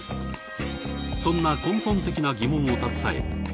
そんな根本的な疑問を携え